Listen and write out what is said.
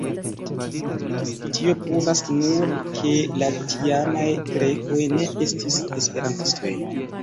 Tio pruvas nur, ke la tiamaj Grekoj ne estis Esperantistoj.